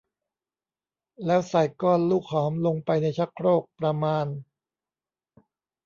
แล้วใส่ก้อนลูกหอมลงไปในชักโครกประมาณ